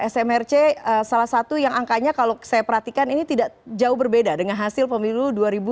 smrc salah satu yang angkanya kalau saya perhatikan ini tidak jauh berbeda dengan hasil pemilu dua ribu dua puluh